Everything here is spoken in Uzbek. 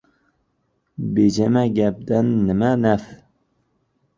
— Bejama gapdan nima naf?!